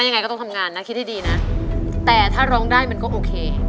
ยังไงก็ต้องทำงานนะคิดให้ดีนะแต่ถ้าร้องได้มันก็โอเค